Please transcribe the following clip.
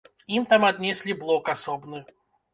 Ім там аднеслі блок асобны.